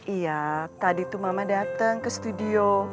iya tadi tuh mama datang ke studio